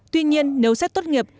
tuy nhiên nếu xét tốt nghiệp